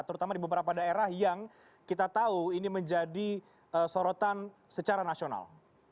terutama di beberapa daerah yang kita tahu ini menjadi sorotan secara nasional